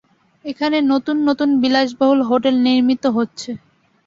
এখানে নতুন নতুন বিলাস-বহুল হোটেল নির্মিত হচ্ছে।